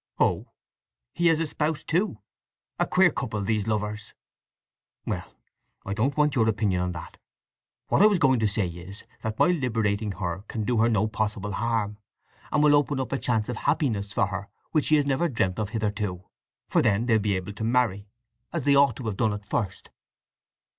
"Oh—he had a spouse, too? A queer couple, these lovers!" "Well—I don't want your opinion on that. What I was going to say is that my liberating her can do her no possible harm, and will open up a chance of happiness for her which she has never dreamt of hitherto. For then they'll be able to marry, as they ought to have done at first."